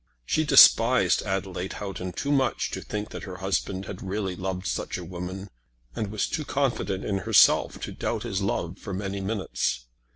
She despised Adelaide Houghton too much to think that her husband had really loved such a woman, and was too confident in herself to doubt his love for many minutes.